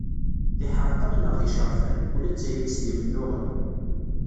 D iḥerqan neɣ d icerfan, ula d tayri-s d imennuɣen.